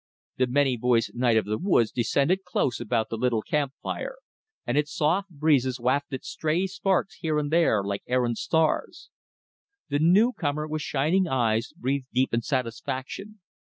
The many voiced night of the woods descended close about the little camp fire, and its soft breezes wafted stray sparks here and there like errant stars. The newcomer, with shining eyes, breathed deep in satisfaction.